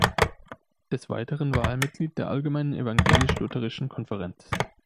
Des Weiteren war er Mitglied der Allgemeinen Evangelisch-Lutherischen Konferenz.